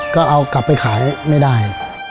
ก็เอากลับไปขายไม่ได้